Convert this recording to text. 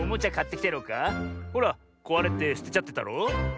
ほらこわれてすてちゃってたろ。